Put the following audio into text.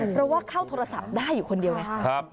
เพราะว่าเข้าโทรศัพท์ได้อยู่คนเดียวไง